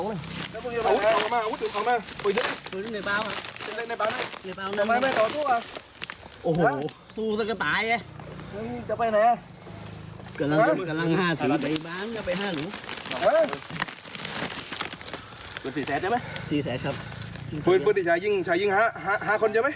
เรื่องพี่ชายิ้งหาคนใช่มั้ย